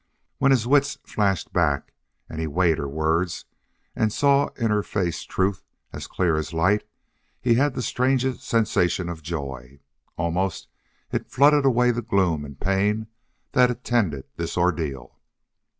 When his wits flashed back and he weighed her words and saw in her face truth as clear as light, he had the strangest sensation of joy. Almost it flooded away the gloom and pain that attended this ordeal.